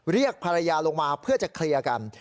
เรียกภรรยาลงมาเพื่อจะเคลียร์กัน